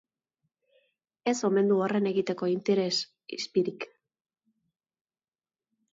Ez omen du horren egiteko interes izpirik.